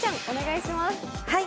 お願いします。